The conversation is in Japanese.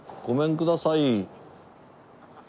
ごめんください！